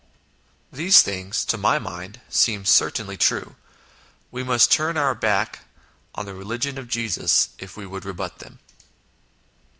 These things, to my mind, seem certainly true ; we must turn our back on the religion of Jesus if we would rebut them.